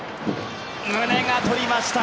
宗がとりました。